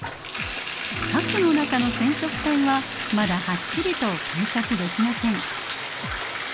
核の中の染色体はまだはっきりと観察できません。